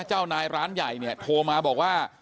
เจ้านายร้านใหญ่เนี่ยโทรมาบอกว่า